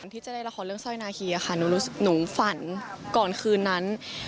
ที่จะได้ละครเรื่องสร้อยนาคีค่ะหนูฝันก่อนคืนนั้น